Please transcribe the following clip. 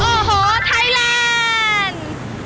โอ้โหไทยแลนด์